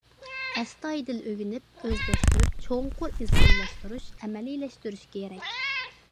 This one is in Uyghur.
ئەستايىدىل ئۆگىنىپ، ئۆزلەشتۈرۈپ، چوڭقۇر ئىزچىللاشتۇرۇش، ئەمەلىيلەشتۈرۈش كېرەك.